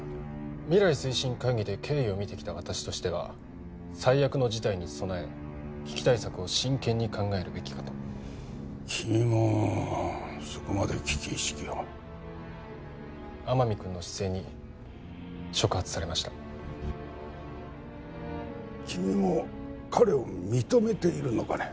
未来推進会議で経緯を見てきた私としては最悪の事態に備え危機対策を真剣に考えるべきかと君もそこまで危機意識を天海君の姿勢に触発されました君も彼を認めているのかね？